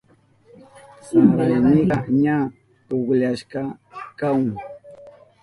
Saraynika ña pukushka kahun.